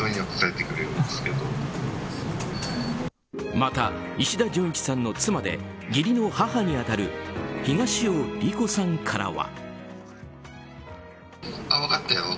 また、石田純一さんの妻で義理の母に当たる東尾理子さんからは。